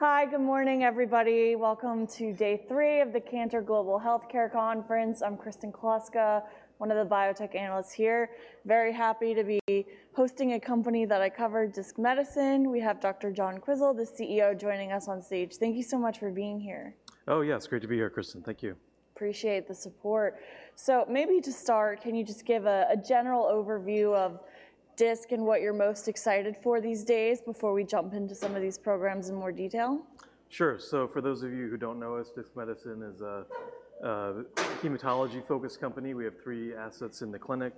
Hi, good morning, everybody. Welcome to day three of the Cantor Global Healthcare Conference. I'm Kristen Kluska, one of the biotech analysts here. Very happy to be hosting a company that I cover, DISC Medicine. We have Dr. John Quisel, the CEO, joining us on stage. Thank you so much for being here. Oh, yeah, it's great to be here, Kristen. Thank you. Appreciate the support. So maybe to start, can you just give a general overview of DISC and what you're most excited for these days before we jump into some of these programs in more detail? Sure. So for those of you who don't know us, DISC Medicine is a hematology-focused company. We have three assets in the clinic,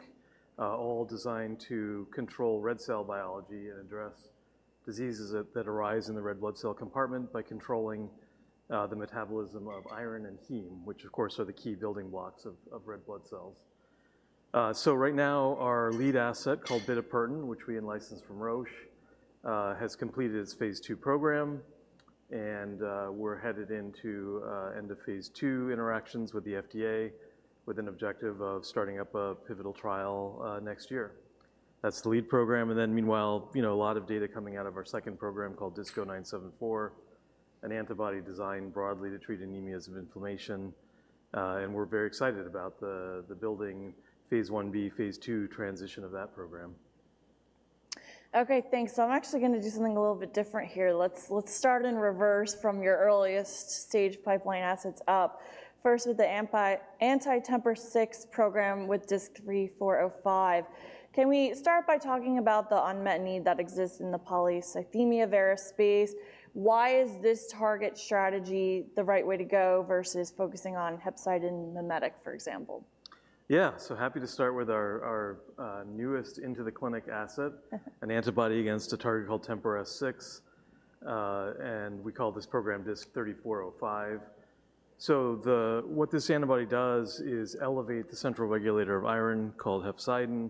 all designed to control red cell biology and address diseases that arise in the red blood cell compartment by controlling the metabolism of iron and heme, which of course, are the key building blocks of red blood cells. So right now, our lead asset, called Bitapertin, which we in-licensed from Roche, has completed its phase II program, and we're headed into end-of-phase II interactions with the FDA, with an objective of starting up a pivotal trial next year. That's the lead program, and then meanwhile, a lot of data coming out of our second program called DISC-0974, an antibody designed broadly to treat anemias of inflammation. and we're very excited about the building phase Ib, phase II transition of that program. Okay, thanks. So I'm actually gonna do something a little bit different here. Let's start in reverse from your earliest stage pipeline assets up, first with the anti-TMPRSS6 program with DISC-3405. Can we start by talking about the unmet need that exists in the polycythemia vera space? Why is this target strategy the right way to go versus focusing on hepcidin mimetic, for example? Yeah. So happy to start with our newest into the clinic asset, an antibody against a target called TMPRSS6, and we call this program DISC-3405. So what this antibody does is elevate the central regulator of iron, called hepcidin,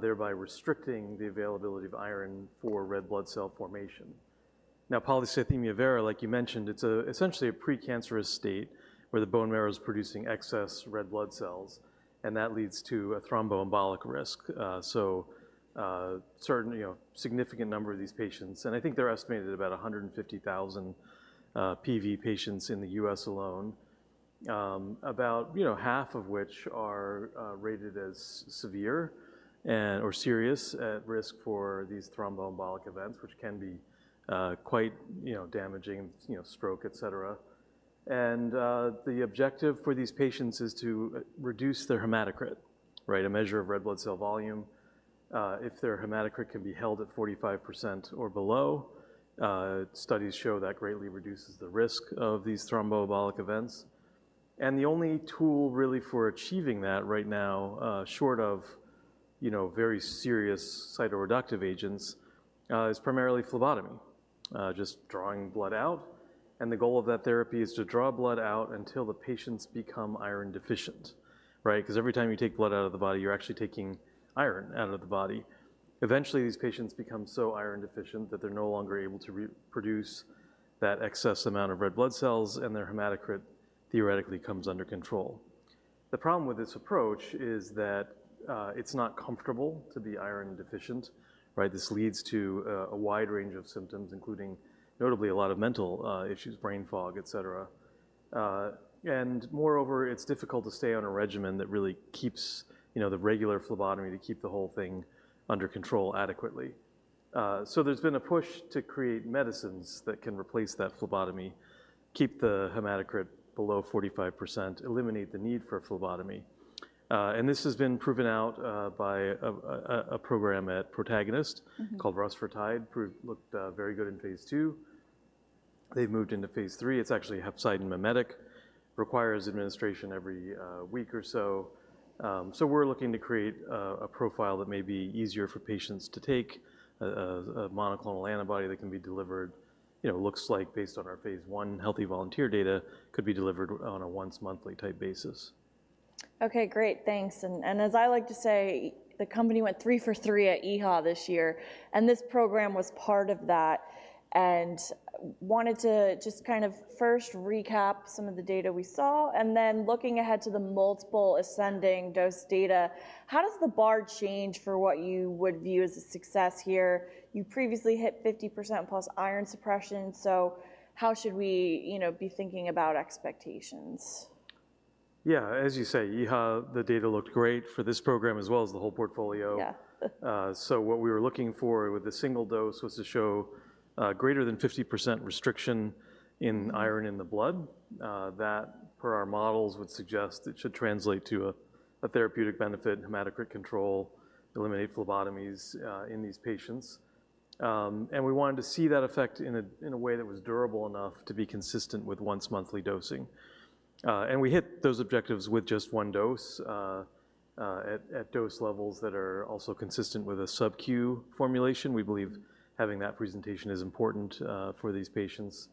thereby restricting the availability of iron for red blood cell formation. Now, polycythemia vera, like you mentioned, it's essentially a pre-cancerous state, where the bone marrow is producing excess red blood cells, and that leads to a thromboembolic risk. So certain, significant number of these patients, and I think they're estimated at about 150,000 PV patients in the U.S. alone, about half of which are rated as severe or serious at risk for these thromboembolic events, which can be quite damaging, stroke, etc. The objective for these patients is to reduce their hematocrit, right? A measure of red blood cell volume. If their hematocrit can be held at 45% or below, studies show that greatly reduces the risk of these thromboembolic events. The only tool really for achieving that right now, short of very serious cytoreductive agents, is primarily phlebotomy, just drawing blood out, and the goal of that therapy is to draw blood out until the patients become iron deficient, right? 'Cause every time you take blood out of the body, you're actually taking iron out of the body. Eventually, these patients become so iron deficient that they're no longer able to reproduce that excess amount of red blood cell, and their hematocrit theoretically comes under control. The problem with this approach is that it's not comfortable to be iron deficient, right? This leads to a wide range of symptoms, including notably a lot of mental issues, brain fog, et cetera, and moreover, it's difficult to stay on a regimen that really keeps the regular phlebotomy to keep the whole thing under control adequately, so there's been a push to create medicines that can replace that phlebotomy, keep the hematocrit below 45%, eliminate the need for phlebotomy, and this has been proven out by a program at Protagonist- Mm-hmm. Called Rusfertide looked very good in phase II. They've moved into phase III. It's actually a hepcidin mimetic, requires administration every week or so. So we're looking to create a profile that may be easier for patients to take, a monoclonal antibody that can be delivered, looks like based on our phase I healthy volunteer data, could be delivered on a once monthly type basis. Okay, great. Thanks. And, and as I like to say, the company went three for three at EHA this year, and this program was part of that. And wanted to just kind of first recap some of the data we saw, and then looking ahead to the multiple ascending dose data, how does the bar change for what you would view as a success here? You previously hit 50% plus iron suppression, so how should we be thinking about expectations? Yeah, as you say, EHA, the data looked great for this program, as well as the whole portfolio. Yeah. So what we were looking for with a single dose was to show greater than 50% restriction in iron in the blood. That, per our models, would suggest it should translate to a therapeutic benefit, hematocrit control, eliminate phlebotomies in these patients. And we wanted to see that effect in a way that was durable enough to be consistent with once-monthly dosing. And we hit those objectives with just one dose at dose levels that are also consistent with a sub-Q formulation. We believe having that presentation is important for these patients.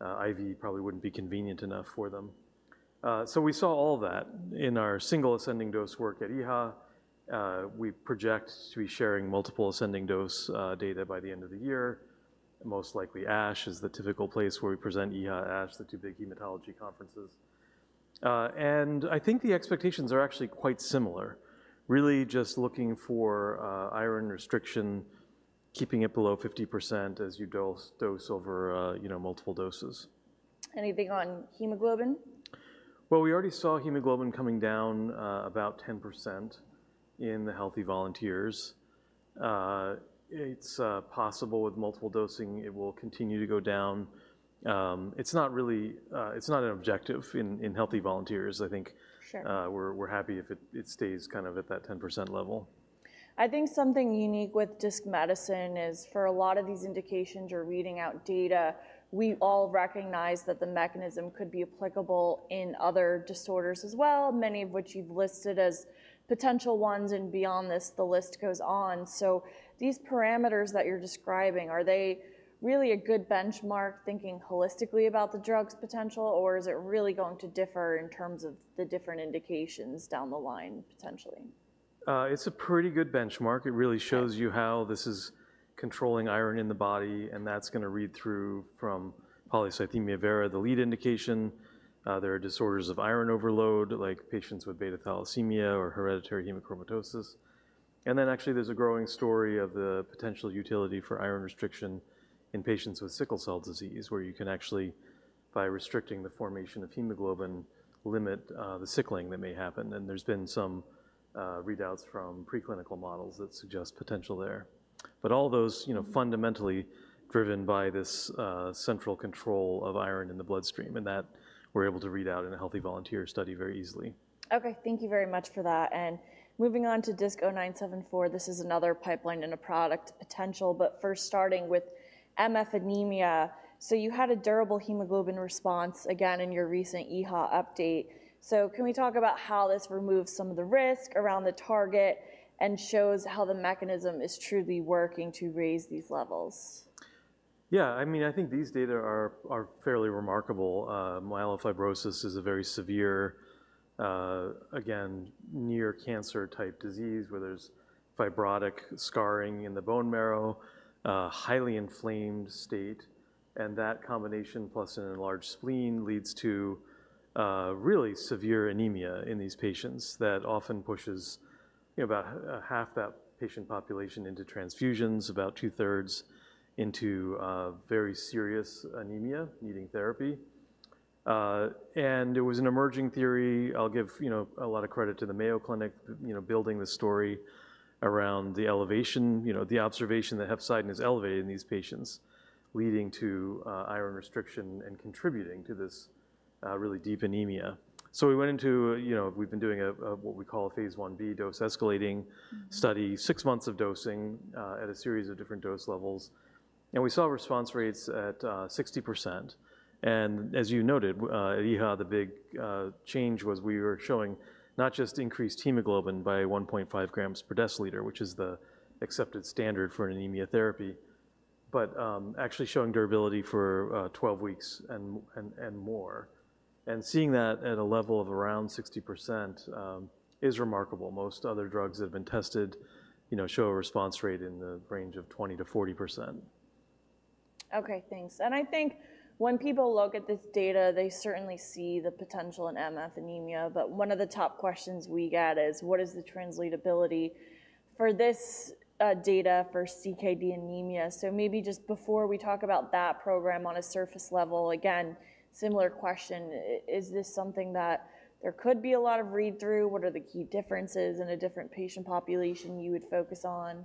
IV probably wouldn't be convenient enough for them. So we saw all that in our single ascending dose work at EHA. We project to be sharing multiple ascending dose data by the end of the year. Most likely ASH is the typical place where we present EHA, ASH, the two big hematology conferences, and I think the expectations are actually quite similar. Really just looking for, iron restriction, keeping it below 50% as you dose, dose overmultiple doses. Anything on hemoglobin? Well, we already saw hemoglobin coming down about 10% in the healthy volunteers. It's possible with multiple dosing, it will continue to go down. It's not really an objective in healthy volunteers. I think- Sure. We're happy if it stays kind of at that 10% level. I think something unique with DISC Medicine is, for a lot of these indications you're reading out data, we all recognize that the mechanism could be applicable in other disorders as well, many of which you've listed as potential ones, and beyond this, the list goes on. So these parameters that you're describing, are they really a good benchmark, thinking holistically about the drug's potential? Or is it really going to differ in terms of the different indications down the line, potentially? It's a pretty good benchmark. Okay. It really shows you how this is controlling iron in the body, and that's gonna read through from polycythemia vera, the lead indication. There are disorders of iron overload, like patients with beta thalassemia or hereditary hemochromatosis. And then, actually, there's a growing story of the potential utility for iron restriction in patients with sickle cell disease, where you can actually, by restricting the formation of hemoglobin, limit the sickling that may happen. And there's been some readouts from preclinical models that suggest potential there. But all those fundamentally driven by this central control of iron in the bloodstream, and that we're able to read out in a healthy volunteer study very easily. Okay, thank you very much for that, and moving on to DISC-0974, this is another pipeline and a product potential, but first starting with MF anemia. So you had a durable hemoglobin response, again, in your recent EHA update. So can we talk about how this removes some of the risk around the target and shows how the mechanism is truly working to raise these levels? Yeah, I mean, I think these data are fairly remarkable. Myelofibrosis is a very severe, again, near cancer-type disease, where there's fibrotic scarring in the bone marrow, a highly inflamed state, and that combination, plus an enlarged spleen, leads to really severe anemia in these patients that often pushes about half that patient population into transfusions, about two-thirds into very serious anemia, needing therapy. And it was an emerging theory. I'll give a lot of credit to the Mayo Clinic building the story around the elevation, the observation that hepcidin is elevated in these patients, leading to iron restriction and contributing to this really deep anemia. So we went into, we've been doing what we call a phase 1b dose-escalating study, six months of dosing, at a series of different dose levels, and we saw response rates at 60%. And as you noted, at EHA, the big change was we were showing not just increased hemoglobin by 1.5 grams per deciliter, which is the accepted standard for an anemia therapy, but actually showing durability for 12 weeks and more. And seeing that at a level of around 60% is remarkable. Most other drugs that have been tested, show a response rate in the range of 20%-40%. Okay, thanks. And I think when people look at this data, they certainly see the potential in MF anemia, but one of the top questions we get is: What is the translatability for this data for CKD anemia? So maybe just before we talk about that program on a surface level, again, similar question, is this something that there could be a lot of read-through? What are the key differences in a different patient population you would focus on?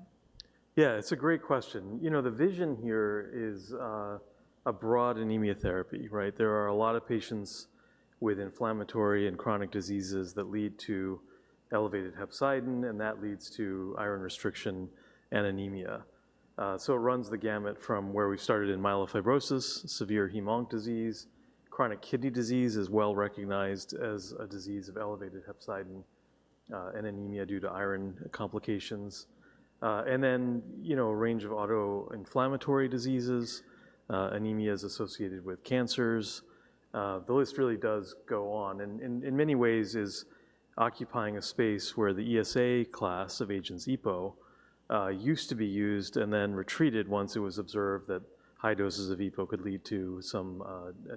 Yeah, it's a great question. You know, the vision here is a broad anemia therapy, right? There are a lot of patients with inflammatory and chronic diseases that lead to elevated hepcidin, and that leads to iron restriction and anemia. So it runs the gamut from where we started in myelofibrosis, severe hemolytic disease, chronic kidney disease is well-recognized as a disease of elevated hepcidin, and anemia due to iron complications. And then a range of autoinflammatory diseases, anemias associated with cancers. The list really does go on, and in many ways is occupying a space where the ESA class of agents, EPO, used to be used and then retreated once it was observed that high doses of EPO could lead to some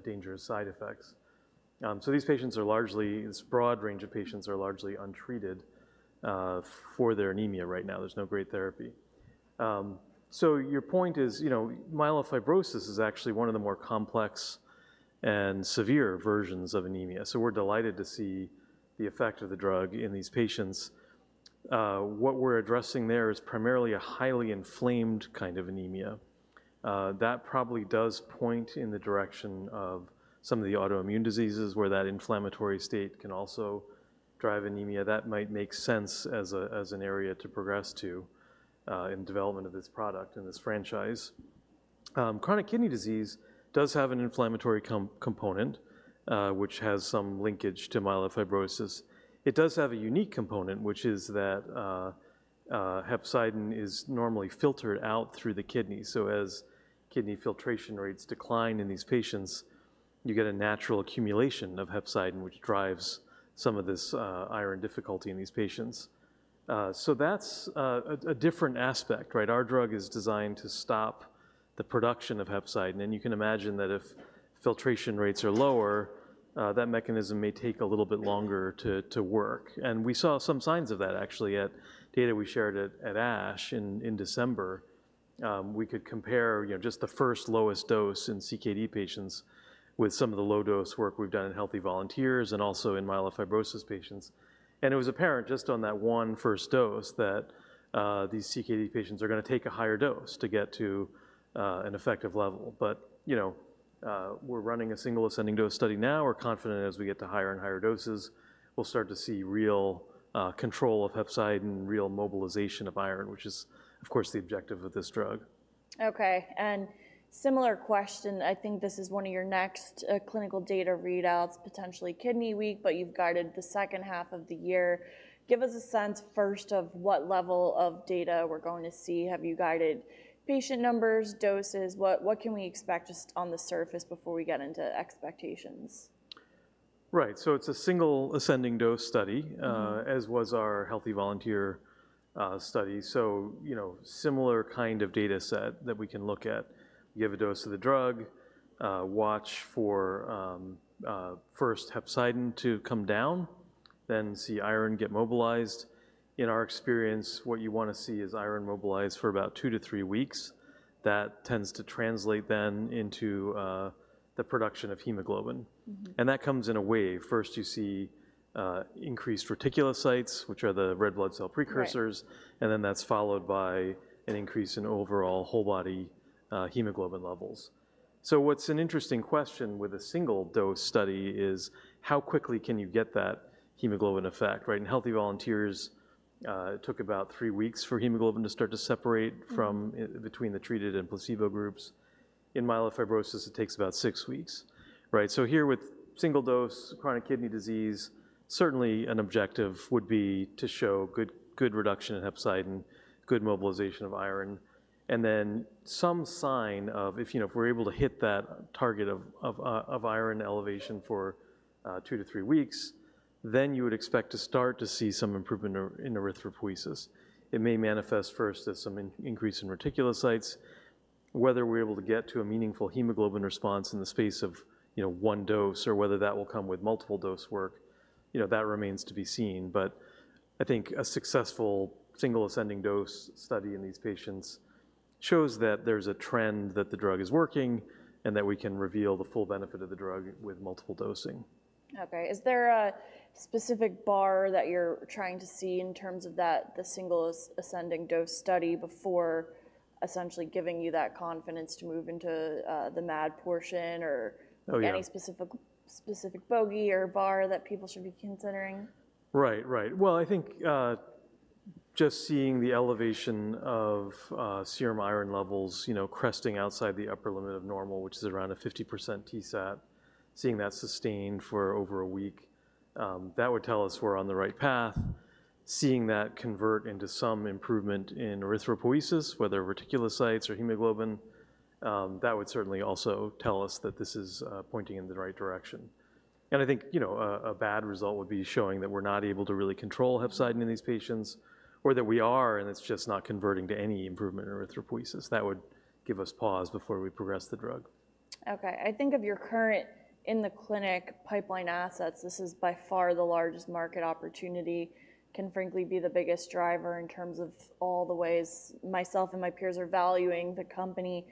dangerous side effects. So these patients are largely this broad range of patients are largely untreated for their anemia right now. There's no great therapy. So your point is, myelofibrosis is actually one of the more complex and severe versions of anemia, so we're delighted to see the effect of the drug in these patients. What we're addressing there is primarily a highly inflamed kind of anemia. That probably does point in the direction of some of the autoimmune diseases, where that inflammatory state can also drive anemia. That might make sense as a, as an area to progress to in development of this product and this franchise. Chronic kidney disease does have an inflammatory component, which has some linkage to myelofibrosis. It does have a unique component, which is that hepcidin is normally filtered out through the kidneys. So as kidney filtration rates decline in these patients, you get a natural accumulation of hepcidin, which drives some of this, iron difficulty in these patients. So that's, a different aspect, right? Our drug is designed to stop the production of hepcidin, and you can imagine that if filtration rates are lower, that mechanism may take a little bit longer to work. And we saw some signs of that actually at data we shared at ASH in December. We could compare, just the first lowest dose in CKD patients with some of the low-dose work we've done in healthy volunteers and also in myelofibrosis patients. And it was apparent just on that one first dose that, these CKD patients are gonna take a higher dose to get to, an effective level. But we're running a single ascending dose study now. We're confident as we get to higher and higher doses, we'll start to see real control of hepcidin, real mobilization of iron, which is, of course, the objective of this drug. Okay, and similar question. I think this is one of your next clinical data readouts, potentially Kidney Week, but you've guided the second half of the year. Give us a sense first of what level of data we're going to see. Have you guided patient numbers, doses? What can we expect just on the surface before we get into expectations? Right. So it's a single ascending dose study- Mm-hmm. As was our healthy volunteer study. So, similar kind of data set that we can look at. You give a dose of the drug, watch for first hepcidin to come down, then see iron get mobilized. In our experience, what you wanna see is iron mobilized for about two to three weeks. That tends to translate then into the production of hemoglobin. Mm-hmm. That comes in a wave. First, you see increased reticulocytes, which are the red blood cell precursors. Right. And then that's followed by an increase in overall whole body hemoglobin levels. So what's an interesting question with a single-dose study is, how quickly can you get that hemoglobin effect, right? In healthy volunteers, it took about three weeks for hemoglobin to start to separate from- Mm. Between the treated and placebo groups. In myelofibrosis, it takes about six weeks, right? So here with single-dose chronic kidney disease, certainly an objective would be to show good reduction in hepcidin, good mobilization of iron, and then some sign of, if we're able to hit that target of, of, iron elevation for, two to three weeks, then you would expect to start to see some improvement in, in erythropoiesis. It may manifest first as some increase in reticulocytes. Whether we're able to get to a meaningful hemoglobin response in the space of one dose or whether that will come with multiple dose work that remains to be seen. But I think a successful single ascending dose study in these patients shows that there's a trend, that the drug is working, and that we can reveal the full benefit of the drug with multiple dosing. Okay. Is there a specific bar that you're trying to see in terms of that, the single ascending dose study before essentially giving you that confidence to move into the MAD portion or- Oh, yeah. Any specific bogey or bar that people should be considering? Right. Right. Well, I think just seeing the elevation of serum iron levels, cresting outside the upper limit of normal, which is around a 50% TSAT, seeing that sustained for over a week, that would tell us we're on the right path. Seeing that convert into some improvement in erythropoiesis, whether reticulocytes or hemoglobin, that would certainly also tell us that this is pointing in the right direction. And I think, a bad result would be showing that we're not able to really control hepcidin in these patients, or that we are, and it's just not converting to any improvement in erythropoiesis. That would give us pause before we progress the drug. Okay. I think of your current in-the-clinic pipeline assets, this is by far the largest market opportunity, can frankly be the biggest driver in terms of all the ways myself and my peers are valuing the company.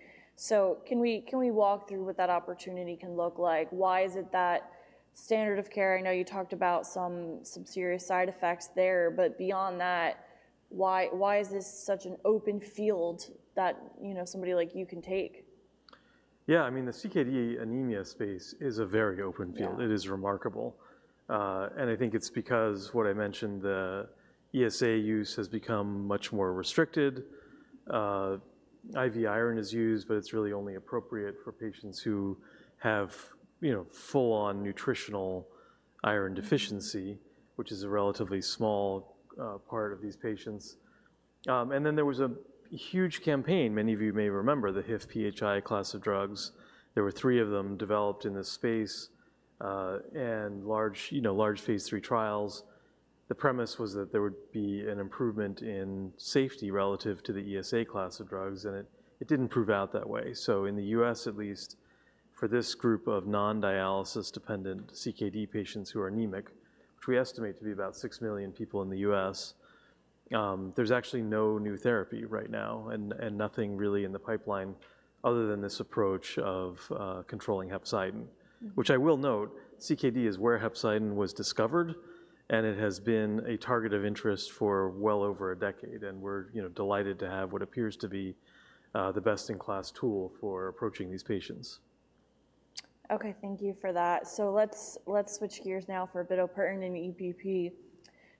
So can we, can we walk through what that opportunity can look like? Why is it that standard of care... I know you talked about some, some serious side effects there, but beyond that, why, why is this such an open field that somebody like you can take? Yeah, I mean, the CKD anemia space is a very open field. Yeah. It is remarkable, and I think it's because what I mentioned, the ESA use has become much more restricted. IV iron is used, but it's really only appropriate for patients who have full-on nutritional iron deficiency, which is a relatively small part of these patients, and then there was a huge campaign, many of you may remember, the HIF-PHI class of drugs. There were three of them developed in this space, and large, large phase III trials. The premise was that there would be an improvement in safety relative to the ESA class of drugs, and it didn't prove out that way. So in the U.S., at least, for this group of non-dialysis dependent CKD patients who are anemic, which we estimate to be about six million people in the U.S., there's actually no new therapy right now and nothing really in the pipeline other than this approach of controlling hepcidin. Mm-hmm. Which I will note, CKD is where hepcidin was discovered, and it has been a target of interest for well over a decade, and we're delighted to have what appears to be the best-in-class tool for approaching these patients. Okay, thank you for that. So let's, let's switch gears now for Bitapertin in EPP.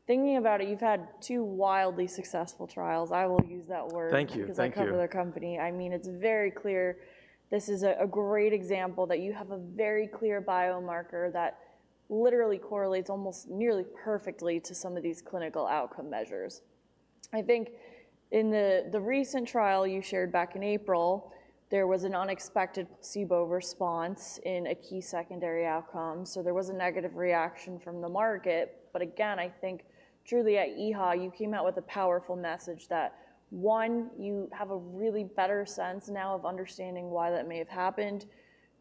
Thinking about it, you've had two wildly successful trials. I will use that word- Thank you. Thank you. Because I cover the company. I mean, it's very clear this is a great example that you have a very clear biomarker that literally correlates almost nearly perfectly to some of these clinical outcome measures. I think in the recent trial you shared back in April, there was an unexpected placebo response in a key secondary outcome, so there was a negative reaction from the market. But again, I think truly at EHA, you came out with a powerful message that, one, you have a really better sense now of understanding why that may have happened.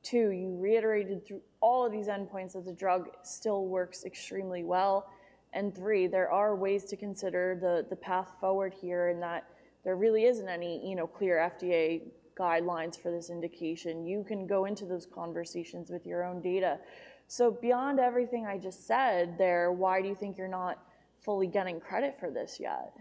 Two, you reiterated through all of these endpoints that the drug still works extremely well. And three, there are ways to consider the path forward here, and that there really isn't any clear FDA guidelines for this indication. You can go into those conversations with your own data. So beyond everything I just said there, why do you think you're not fully getting credit for this yet?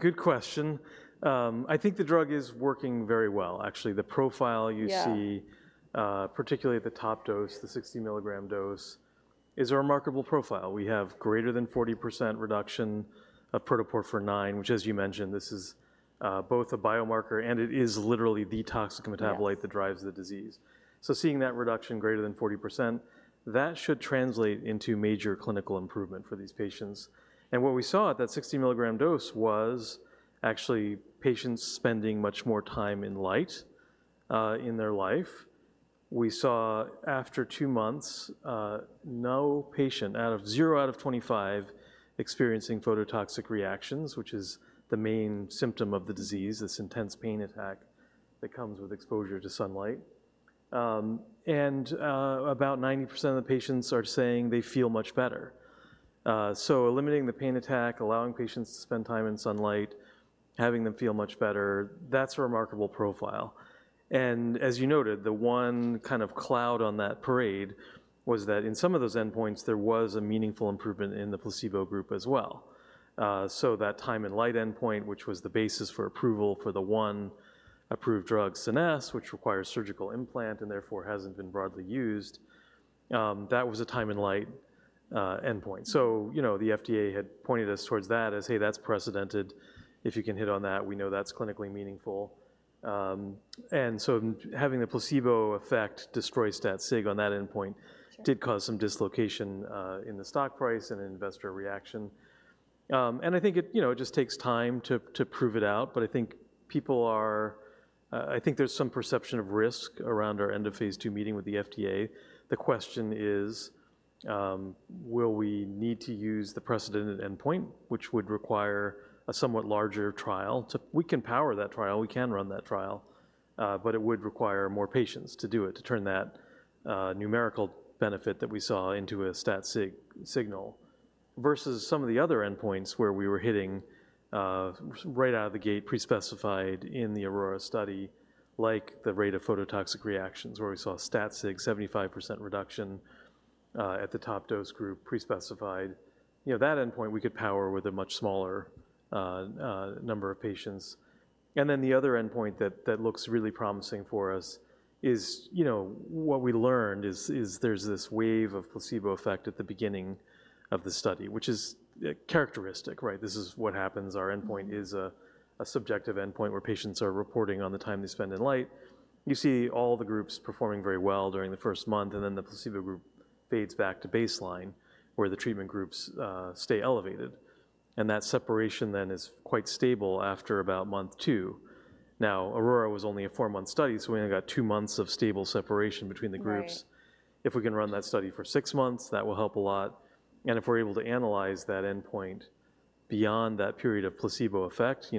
Good question. I think the drug is working very well, actually. The profile you see- Yeah... particularly at the top dose, the 60 milligram dose, is a remarkable profile. We have greater than 40% reduction of protoporphyrin IX, which, as you mentioned, this is both a biomarker, and it is literally the toxic metabolite- Yes -that drives the disease. So seeing that reduction greater than 40%, that should translate into major clinical improvement for these patients. And what we saw at that 60 milligram dose was actually patients spending much more time in light, in their life. We saw after two months, no patient out of 25 experiencing phototoxic reactions, which is the main symptom of the disease, this intense pain attack that comes with exposure to sunlight. And, about 90% of the patients are saying they feel much better. So eliminating the pain attack, allowing patients to spend time in sunlight, having them feel much better, that's a remarkable profile. And as you noted, the one kind of cloud on that parade was that in some of those endpoints, there was a meaningful improvement in the placebo group as well. So that time in light endpoint, which was the basis for approval for the one approved drug, Scenesse, which requires surgical implant and therefore hasn't been broadly used, that was a time in light endpoint. So, the FDA had pointed us towards that as, "Hey, that's precedented. If you can hit on that, we know that's clinically meaningful." And so having the placebo effect destroy stat sig on that endpoint- Sure Did cause some dislocation in the stock price and investor reaction. And I think, it just takes time to prove it out, but I think there's some perception of risk around our end of phase II meeting with the FDA. The question is: Will we need to use the precedented endpoint, which would require a somewhat larger trial to. We can power that trial. We can run that trial, but it would require more patients to do it, to turn that numerical benefit that we saw into a stat sig signal, versus some of the other endpoints where we were hitting right out of the gate, pre-specified in the AURORA study, like the rate of phototoxic reactions, where we saw stat sig 75% reduction at the top dose group, pre-specified. You know, that endpoint we could power with a much smaller number of patients, and then the other endpoint that looks really promising for us is what we learned is there's this wave of placebo effect at the beginning of the study, which is characteristic, right? This is what happens. Our endpoint is a subjective endpoint, where patients are reporting on the time they spend in light. You see all the groups performing very well during the first month, and then the placebo group fades back to baseline, where the treatment groups stay elevated, and that separation then is quite stable after about month two. Now, AURORA was only a four-month study, so we only got two months of stable separation between the groups. Right. If we can run that study for six months, that will help a lot, and if we're able to analyze that endpoint beyond that period of placebo effect,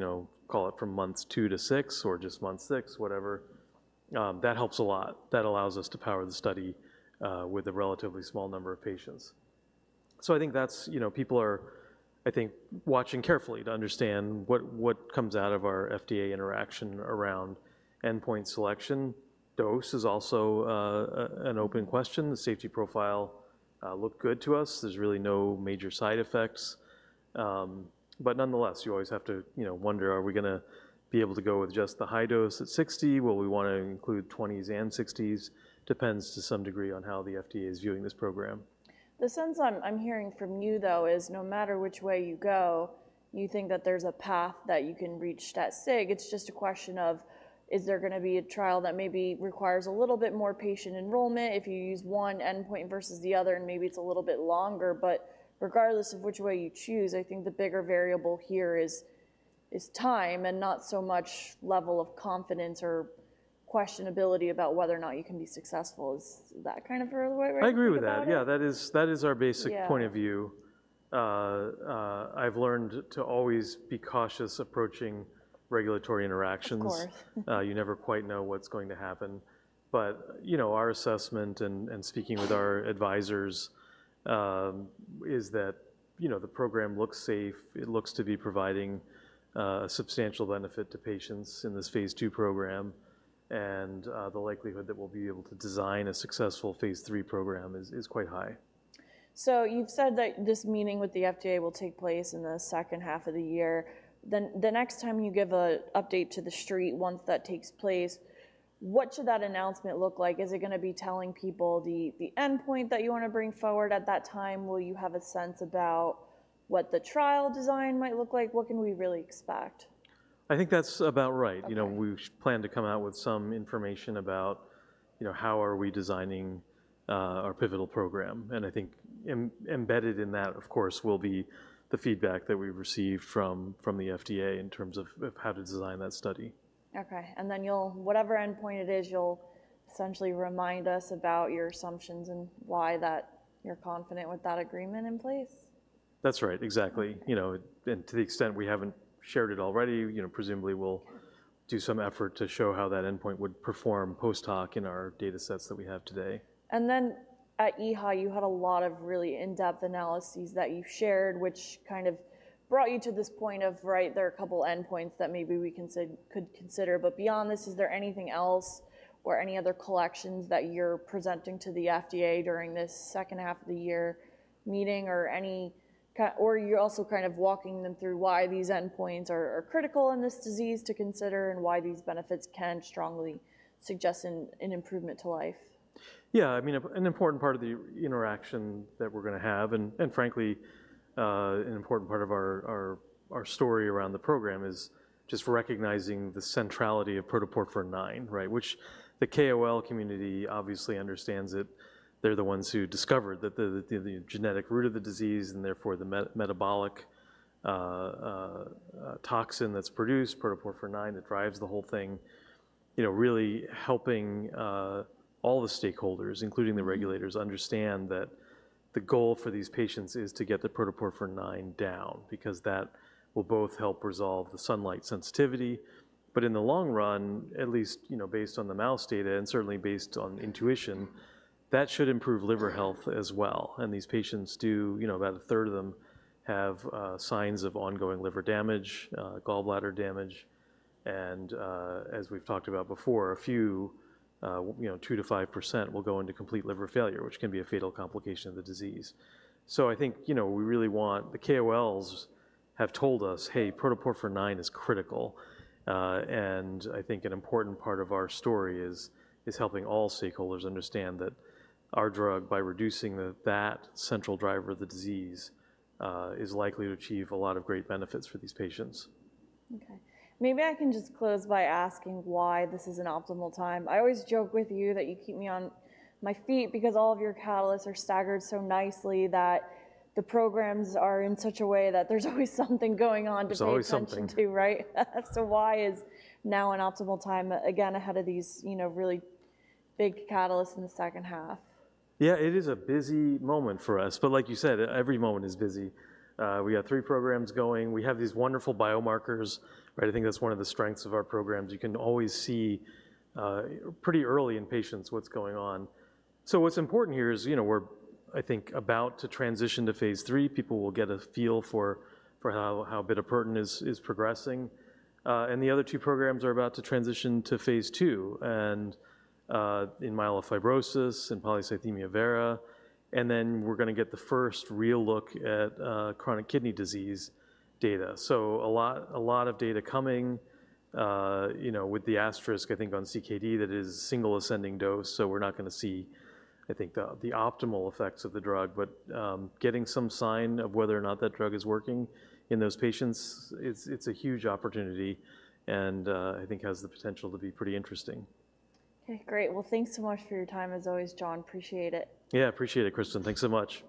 call it from months two to six or just month six, whatever, that helps a lot. That allows us to power the study with a relatively small number of patients. So I think that's. You know, people are, I think, watching carefully to understand what, what comes out of our FDA interaction around endpoint selection. Dose is also an open question. The safety profile looked good to us. There's really no major side effects. But nonetheless, you always have to wonder: Are we gonna be able to go with just the high dose at 60? Will we want to include 20s and 60s? Depends to some degree on how the FDA is viewing this program. The sense I'm hearing from you, though, is no matter which way you go, you think that there's a path that you can reach stat sig. It's just a question of, is there gonna be a trial that maybe requires a little bit more patient enrollment if you use one endpoint versus the other, and maybe it's a little bit longer. But regardless of which way you choose, I think the bigger variable here is, is time and not so much level of confidence or questionability about whether or not you can be successful. Is that kind of where we're at with that? I agree with that. Yeah, that is our basic- Yeah Point of view. I've learned to always be cautious approaching regulatory interactions. Of course. You never quite know what's going to happen, but our assessment and speaking with our advisors is that the program looks safe. It looks to be providing substantial benefit to patients in this phase II program, and the likelihood that we'll be able to design a successful phase III program is quite high. You've said that this meeting with the FDA will take place in the second half of the year. The next time you give an update to the street, once that takes place, what should that announcement look like? Is it gonna be telling people the endpoint that you want to bring forward at that time? Will you have a sense about what the trial design might look like? What can we really expect? I think that's about right. We plan to come out with some information about how are we designing our pivotal program? And I think embedded in that, of course, will be the feedback that we've received from the FDA in terms of how to design that study. Okay, and then you'll, whatever endpoint it is, you'll essentially remind us about your assumptions and why that you're confident with that agreement in place? That's right, exactly. You know, and to the extent we haven't shared it already presumably we'll do some effort to show how that endpoint would perform post hoc in our datasets that we have today. And then at EHA, you had a lot of really in-depth analyses that you shared, which kind of brought you to this point of, right, there are a couple endpoints that maybe we could consider. But beyond this, is there anything else or any other collections that you're presenting to the FDA during this second half of the year meeting or you're also kind of walking them through why these endpoints are critical in this disease to consider and why these benefits can strongly suggest an improvement to life? Yeah, I mean, an important part of the interaction that we're gonna have, and frankly, an important part of our story around the program, is just recognizing the centrality of protoporphyrin IX, right? Which the KOL community obviously understands it. They're the ones who discovered that the genetic root of the disease, and therefore, the metabolic toxin that's produced, protoporphyrin IX, that drives the whole thin really helping all the stakeholders, including the regulators, understand that the goal for these patients is to get the protoporphyrin IX down because that will both help resolve the sunlight sensitivity. But in the long run, at least based on the mouse data, and certainly based on intuition, that should improve liver health as well. And these patients do, about a third of them have signs of ongoing liver damage, gallbladder damage, and, as we've talked about before, a few 2%-5% will go into complete liver failure, which can be a fatal complication of the disease. So I think, we really want the KOLs have told us, "Hey, Protoporphyrin IX is critical." And I think an important part of our story is helping all stakeholders understand that our drug, by reducing that central driver of the disease, is likely to achieve a lot of great benefits for these patients. Okay. Maybe I can just close by asking why this is an optimal time. I always joke with you that you keep me on my feet because all of your catalysts are staggered so nicely, that the programs are in such a way that there's always something going on- There's always something. to pay attention to, right? So why is now an optimal time, again, ahead of these really big catalysts in the second half? Yeah, it is a busy moment for us, but like you said, every moment is busy. We got three programs going. We have these wonderful biomarkers, right? I think that's one of the strengths of our programs. You can always see pretty early in patients what's going on. So what's important here is we're about to transition to phase III. People will get a feel for how bitapertin is progressing. And the other two programs are about to transition to phase II, and in myelofibrosis and polycythemia vera, and then we're gonna get the first real look at chronic kidney disease data. A lot, a lot of data coming with the asterisk, I think on CKD, that is single ascending dose, so we're not gonna see, I think, the optimal effects of the drug. But getting some sign of whether or not that drug is working in those patients, it's a huge opportunity and I think has the potential to be pretty interesting. Okay, great. Well, thanks so much for your time, as always, John. Appreciate it. Yeah, appreciate it, Kristen. Thanks so much.